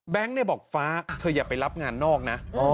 แบงก์เนี่ยบอกฟ้าเธออย่าไปรับงานนอกนะ